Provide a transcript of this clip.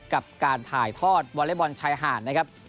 กับการถ่ายทอดวอเล็กบอลชายหาดนะครับ